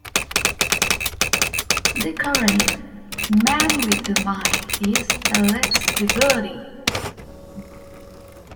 The current "Man with the Mic" is Alex Davoodi.